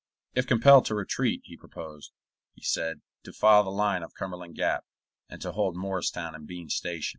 If compelled to retreat, he proposed, he said, to follow the line of Cumberland Gap, and to hold Morristown and Bean's Station.